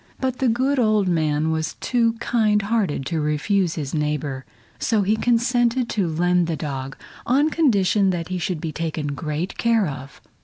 But the good old man was too kind hearted to refuse his neighbor, so he consented to lend the dog on condition that he should be taken great care of.